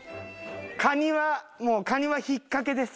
カニはもうカニは引っ掛けです。